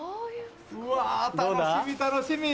うわ楽しみ楽しみ。